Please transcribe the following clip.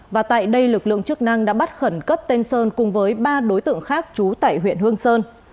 và tại đây lực lượng chức năng đã bắt khẩn cấp tên sơn cùng với ba đối tượng khác trú tại huyện hương sơn